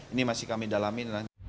ini masih kami dalami